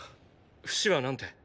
フシはなんて？